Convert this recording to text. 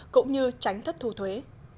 cũng như tránh thất thu thuế